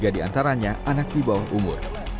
tiga di antaranya anak di bawah umur